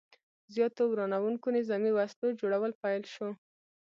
زیاتو ورانوونکو نظامي وسلو جوړول پیل شو.